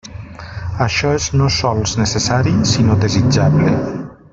Això és no sols necessari, sinó desitjable.